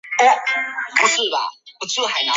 但她依旧认为这样还是无法与汉阳归元寺相比。